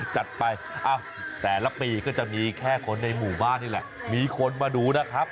จัดไปแต่ละปีก็จะมีแค่คนในหมู่บ้านนี่แหละมีคนมาดูนะครับ